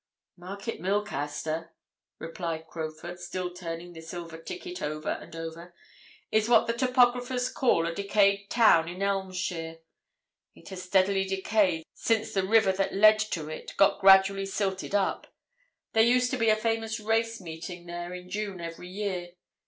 "Market Milcaster," replied Crowfoot, still turning the silver ticket over and over, "is what the topographers call a decayed town in Elmshire. It has steadily decayed since the river that led to it got gradually silted up. There used to be a famous race meeting there in June every year.